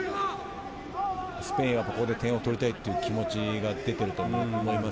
スペインはここで点を取りたい気持ちが出ています。